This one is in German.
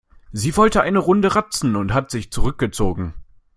Sie wollte eine Runde ratzen und hat sich zurückgezogen.